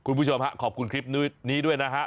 คุณผู้ชมฮะขอบคุณคลิปนี้ด้วยนะฮะ